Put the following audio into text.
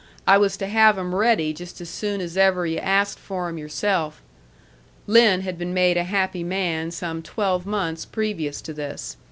I was to have 'em ready just as soon as ever yu' asked for 'em yourself." Lin had been made a happy man some twelve months previous to this.